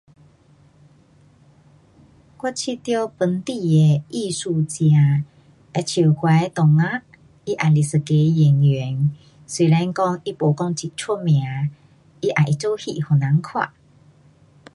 我觉得本地的艺术家好像我的同学，他也是一个演员。虽然说他没有很出名。他也会做戏给人看。